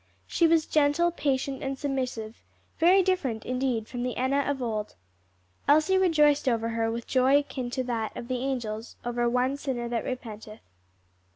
She was gentle, patient and submissive; very different, indeed, from the Enna of old. Elsie rejoiced over her with joy akin to that of the angels "over one sinner that repenteth."